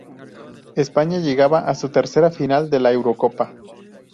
España llegaba a su tercera final de la Eurocopa.